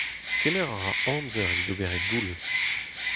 Kemer a ra amzer evit ober e doull.